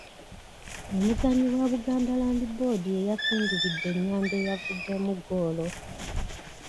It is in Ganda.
Omuzannyi wa Buganda Land Board y'eyasindiridde ennyanda eyavuddemu ggoolo.